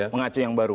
mengacu yang baru